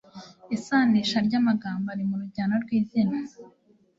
isanisha ry'amagambo ari mu rujyano rw'izina